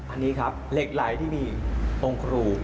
อันนี้ครับเหล็กไหลที่มีองค์ครู